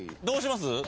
どうします？